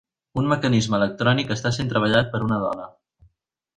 Un mecanisme electrònic està sent treballat per una dona.